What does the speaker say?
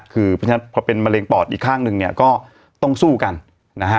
คือเพราะฉะนั้นพอเป็นมะเร็งปอดอีกข้างหนึ่งเนี่ยก็ต้องสู้กันนะฮะ